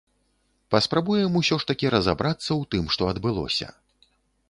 Паспрабуем усё ж такі разабрацца ў тым, што адбылося.